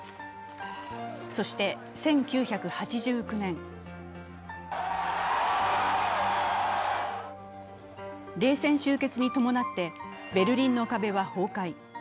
そして１９８９年冷戦終結に伴ってベルリンの壁は崩壊。